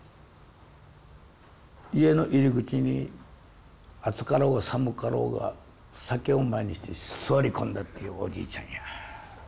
家の入り口に暑かろうが寒かろうが酒を前にして座り込んだっていうおじいちゃんや。